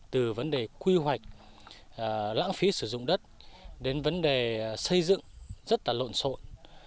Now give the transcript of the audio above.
từ vấn đề quy hoạch lãng phí sử dụng đất đến vấn đề xây dựng rất là lộn xộn